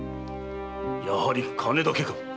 やはり金だけか。